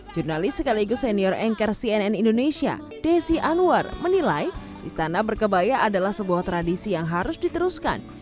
jurnalis sekaligus senior anchor cnn indonesia desi anwar menilai istana berkebaya adalah sebuah tradisi yang harus diteruskan